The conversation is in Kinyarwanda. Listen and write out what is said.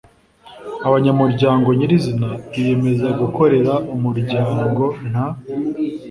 Abanyamuryango nyirizina biyemeza gukorera umuryango nta